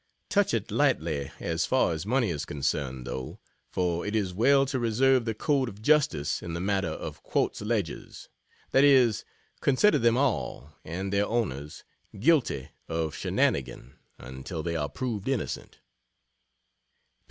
Touch it lightly, as far as money is concerned, though, for it is well to reserve the code of justice in the matter of quartz ledges that is, consider them all (and their owners) guilty (of "shenanigan") until they are proved innocent.